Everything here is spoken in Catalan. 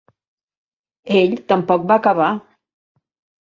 Ell tampoc va acabar.